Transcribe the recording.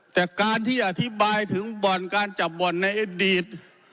แต่การที่อธิบายถึงบ่อนการจับบ่อนในอดีต